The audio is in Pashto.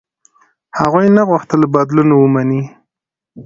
هغوی نه غوښتل بدلون ومني.